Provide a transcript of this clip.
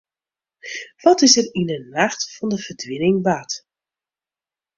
Wat is der yn 'e nacht fan de ferdwining bard?